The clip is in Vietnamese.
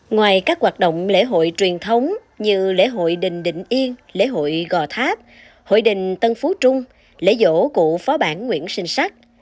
ngoài các hoạt động lễ hội truyền thống như lễ hội đình định yên lễ hội gò tháp hội đình tân phú trung lễ dỗ cụ phó bản nguyễn sinh sắc